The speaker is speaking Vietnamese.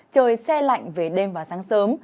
trời xe lạnh về đêm và sáng sớm